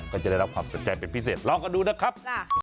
ก็จะได้รับความสนใจเป็นพิเศษลองกันดูนะครับ